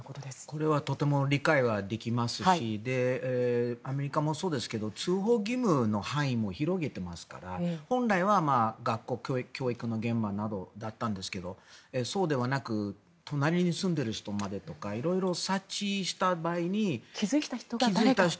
これはとても理解できますしアメリカもそうですが通報義務の範囲も広げていますから本来は学校教育の現場などだったんですがそうではなく隣に住んでいる人までとか色々察知した場合に気付いた人。